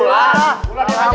bulan dia ajak kan ya